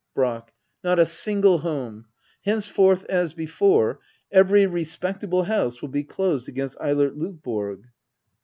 Brack. Not a single home. Henceforth, as before, every respectable house will be closed against Eilert Lovborg.